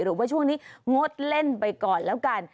หรือว่าช่วงนี้งดเล่นไปก่อนแล้วกัน